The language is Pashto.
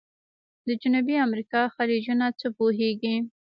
د جنوبي امریکا خلیجونه څه پوهیږئ؟